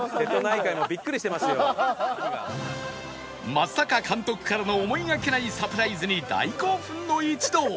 松坂監督からの思いがけないサプライズに大興奮の一同